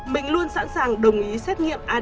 mình luôn sẵn sàng đồng ý xét nghiệm adn